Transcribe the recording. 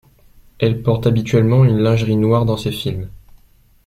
Elle porte habituellement une lingerie noire dans ses films.